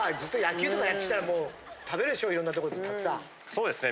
そうですね。